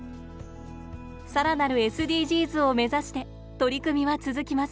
更なるＳＤＧｓを目指して取り組みは続きます。